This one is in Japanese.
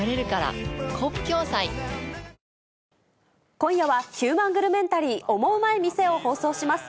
今夜は、ヒューマングルメンタリーオモウマい店を放送します。